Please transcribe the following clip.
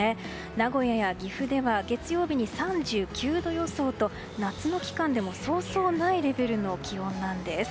名古屋や岐阜では月曜日に３９度予想と夏の期間でもそうそうないレベルの気温なんです。